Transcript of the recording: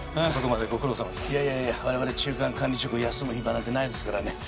いやいやいや我々中間管理職休む暇なんてないですからね。